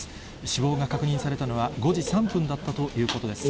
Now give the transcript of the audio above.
死亡が確認されたのは５時３分だったということです。